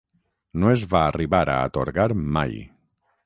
No es va arribar a atorgar mai.